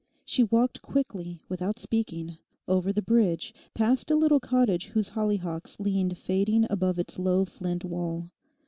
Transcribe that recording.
She walked quickly, without speaking, over the bridge, past a little cottage whose hollyhocks leaned fading above its low flint wall.